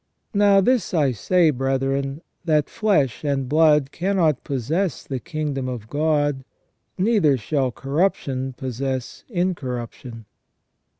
Now this I say, brethren, that flesh and blood cannot possess the kingdom of God, neither shall corruption possess incorruption."